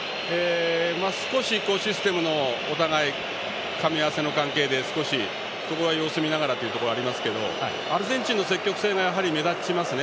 少しシステム、お互いかみ合わせの関係で様子を見ながらというところもありますけどアルゼンチンの積極性がやはり目立ちますね。